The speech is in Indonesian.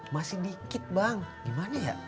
masih dikit bang gimana ya